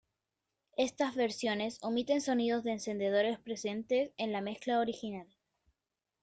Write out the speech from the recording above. Estas versiones omiten sonidos de encendedores presentes en la mezcla original.